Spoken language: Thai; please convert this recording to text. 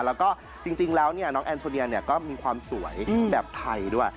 แล้วก็จริงแล้วน้องแอนโทเนียก็มีความสวยแบบไทยด้วย